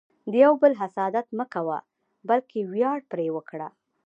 د یو بل حسادت مه کوه، بلکې ویاړ پرې وکړه.